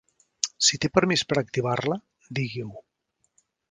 Si té permís per activar-la, digui-ho.